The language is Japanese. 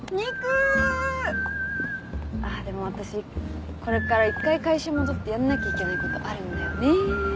あっでも私これから一回会社戻ってやんなきゃいけないことあるんだよね。